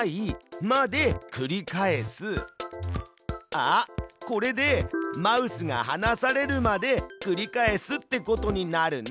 あっこれでマウスがはなされるまで繰り返すってことになるね。